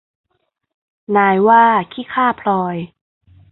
นายว่าขี้ข้าพลอย